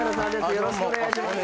よろしくお願いします。